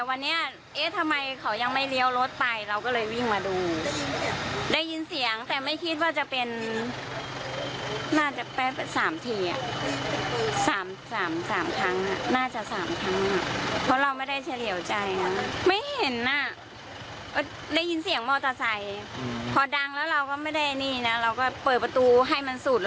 เราก็เปิดประตูให้มันสูดแล้วเราก็หันมาเห็นมอเตอร์ไซค์แวบไป